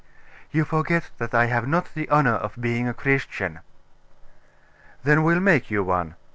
'You forget that I have not the honour of being a Christian.' 'Then we'll make you one.